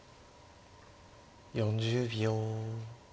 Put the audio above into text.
４０秒。